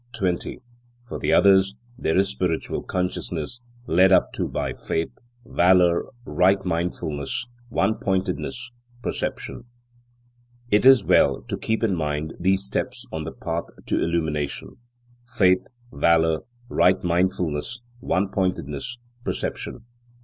20. For the others, there is spiritual consciousness, led up to by faith, valour, right mindfulness, one pointedness, perception. It is well to keep in mind these steps on the path to illumination: faith, valour, right mindfulness, one pointedness, perception.